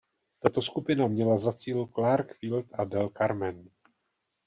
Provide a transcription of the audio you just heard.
Tato skupina měla za cíl Clark Field a Del Carmen.